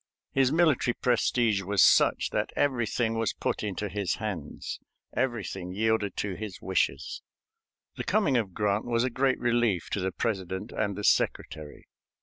His military prestige was such that everything was put into his hands, everything yielded to his wishes. The coming of Grant was a great relief to the President and the Secretary.